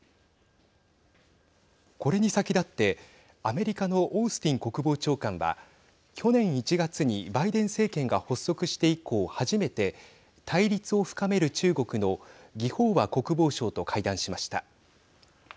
これに先だってアメリカのオースティン国防長官は去年１月にバイデン政権が発足して以降、初めて対立を深める中国の魏鳳和国防相と会談しました。